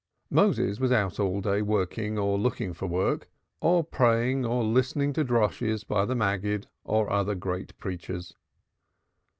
Moses was out all day working or looking for work, or praying or listening to Drashes, by the Maggid or other great preachers.